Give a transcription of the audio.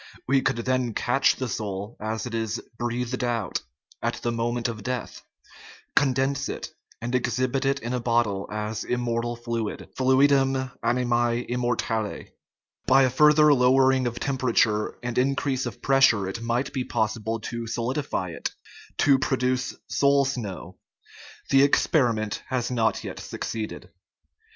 We could then catch the soul as it is " breathed out " at the moment of death, condense it, and exhibit it in a bottle as "immortal fluid " (Fluidum animae immortale). By a further lowering of temperature and increase of pressure it might be possible to solidify it to produce " soul snow. " The experiment has not yet succeeded.